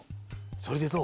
それでどう？